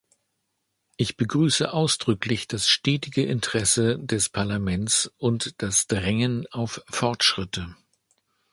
Ich begrüße ausdrücklich das stetige Interesse des Parlaments und das Drängen auf Fortschritte.